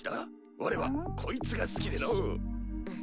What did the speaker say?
われはこいつが好きでのぅ。